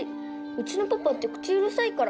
うちのパパって口うるさいから